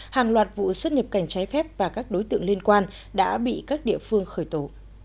hàng loạt vụ xuất nhập cảnh trái phép và các đối tượng liên quan đã bị các địa phương khởi tổ